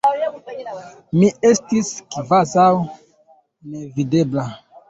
Mi estis kvazaŭ nevidebla.